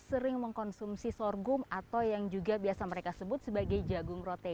sering mengkonsumsi sorghum atau yang juga biasa mereka sebut sebagai jagung rote